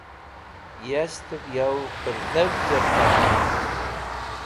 Sashtẽv yo pẽrdhavjẽr takhka?